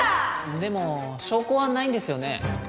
でも証拠はないんですよね？